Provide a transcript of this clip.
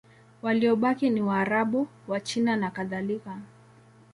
Waliobaki ni Waarabu, Wachina nakadhalika.